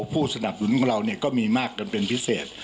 ผู้สนับสนุนของเราก็มีมากจนเป็นพิเศษ